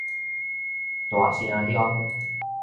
大城鄉